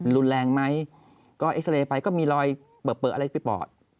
รุนแรงไหมก็เอ็กซาเรย์ไปก็มีรอยเบอะอะไรไปปอด